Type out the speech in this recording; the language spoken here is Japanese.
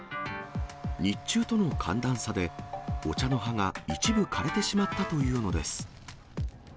日中との寒暖差で、お茶の葉が一部枯れてしまったというのです。